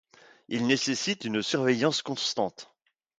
Il nécessite une surveillance constante.